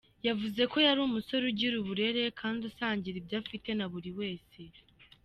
Yavuze ko yari umusore ugira uburere kandi usangira ibyo afite na buri wese.